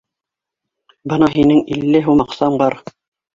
Бына һинең илле һум аҡсаң бар